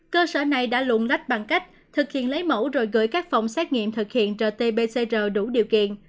cơ sở này đã lụng lách bằng cách thực hiện lấy mẫu rồi gửi các phòng xét nghiệm thực hiện rt pcr đủ điều kiện